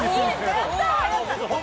やったー。